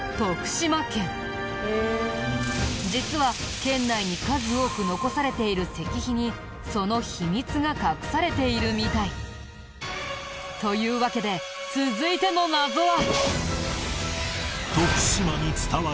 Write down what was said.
実は県内に数多く残されている石碑にその秘密が隠されているみたい。というわけで続いての謎は。